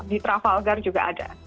di trafalgar juga ada